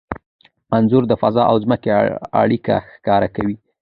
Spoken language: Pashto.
انځور د فضا او ځمکې اړیکه ښکاره کوي.